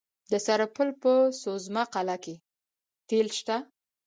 د سرپل په سوزمه قلعه کې تیل شته.